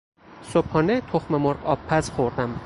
صبحانه تخم مرغ آبپز خوردم.